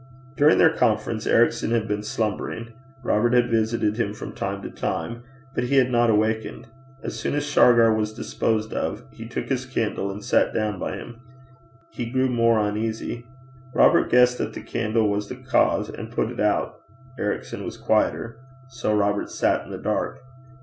During their conference, Ericson had been slumbering. Robert had visited him from time to time, but he had not awaked. As soon as Shargar was disposed of, he took his candle and sat down by him. He grew more uneasy. Robert guessed that the candle was the cause, and put it out. Ericson was quieter. So Robert sat in the dark.